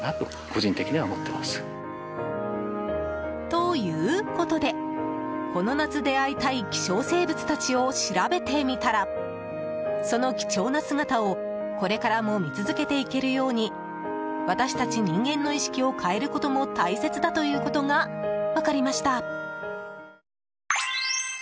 ということでこの夏出会いたい希少生物たちを調べてみたらその貴重な姿をこれからも見続けていけるように私たち人間の意識を変えることも大切だということが分かりました。